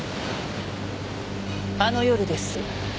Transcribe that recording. あの夜です。